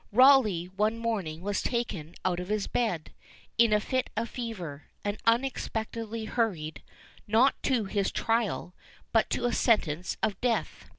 Rawleigh one morning was taken out of his bed, in a fit of fever, and unexpectedly hurried, not to his trial, but to a sentence of death.